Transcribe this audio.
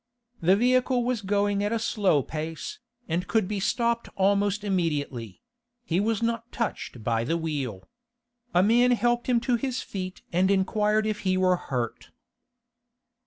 The vehicle was going at a slow pace, and could be stopped almost immediately; he was not touched by the wheel. A man helped him to his feet and inquired if he were hurt.